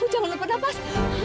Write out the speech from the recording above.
jangan lepas nafas